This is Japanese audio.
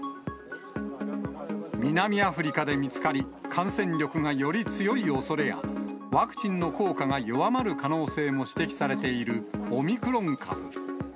南アフリカで見つかり、感染力がより強いおそれや、ワクチンの効果が弱まる可能性も指摘されているオミクロン株。